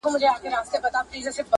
ګونګټ چې باز پسې خبرې کوي